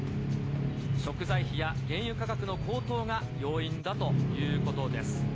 食材費や原油価格の高騰が要因だということです。